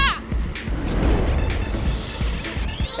setelah lo muntah